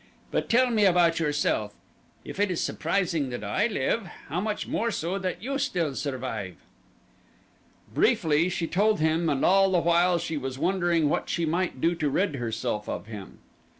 But tell me about yourself. If it is surprising that I live, how much more so that you still survive." Briefly she told him and all the while she was wondering what she might do to rid herself of him.